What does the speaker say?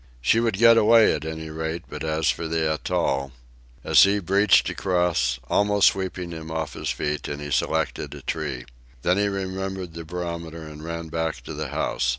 She would get away at any rate, but as for the atoll A sea breached across, almost sweeping him off his feet, and he selected a tree. Then he remembered the barometer and ran back to the house.